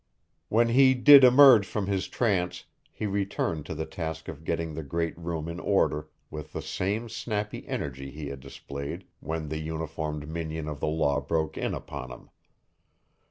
When he did emerge from his trance he returned to the task of getting the great room in order with the same snappy energy he had displayed when the uniformed minion of the law broke in upon him.